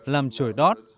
làm trổi đót